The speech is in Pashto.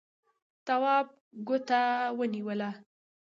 تواب ګوته ونيوله.